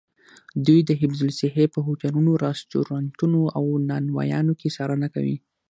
دوی د حفظ الصحې په هوټلونو، رسټورانتونو او نانوایانو کې څارنه کوي.